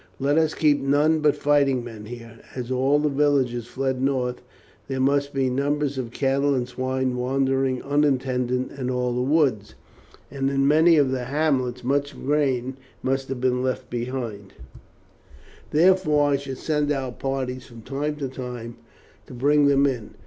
Let us keep none but fighting men here. As all the villagers fled north there must be numbers of cattle and swine wandering untended in all the woods, and in many of the hamlets much grain must have been left behind, therefore I should send out parties from time to time to bring them in.